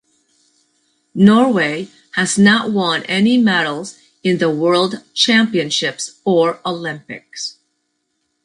Norway has not won any medals in the World Championships or Olympics.